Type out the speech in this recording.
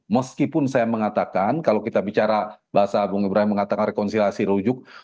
meskipun saya mengatakan kalau kita bicara bahasa agung ibrahim mengatakan rekonsiliasi rujuk